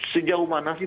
sejauh mana sih